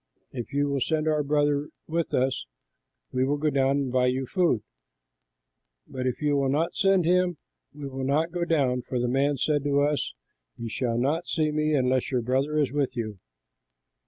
If you will send our brother with us, we will go down and buy you food, but if you will not send him, we will not go down; for the man said to us, 'You shall not see me unless your brother is with you.'"